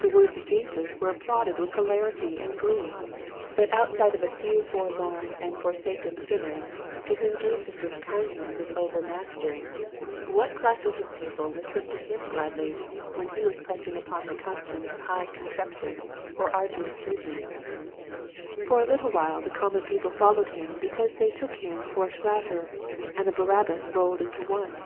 The words of Jesus were applauded with hilarity and glee. But outside of a few forlorn and forsaken sin ners to whom Jesus' kindness was over mastering, what classes of people listened to him gladly when he was pressing upon the conscience high conceptions or ardu ous duties } For a little while the com mon people followed him because they took him for a Schlatter and a Barabbas rolled into one.